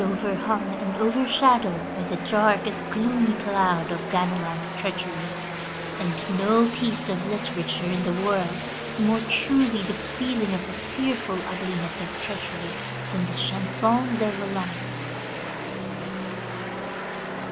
198 THE LATCH KEY overhung and overshadowed by the dark and gloomy cloud of Ganelon's treachery, and no piece of literature in the world has more truly the feeling of the fearful ugliness of treachery than the Chanson de Roland.